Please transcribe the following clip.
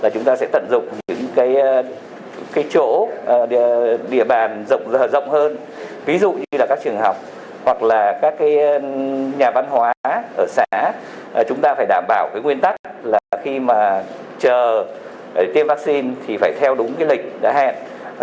chúng ta phải đảm bảo nguyên tắc là khi chờ tiêm vaccine thì phải theo đúng lịch đã hẹn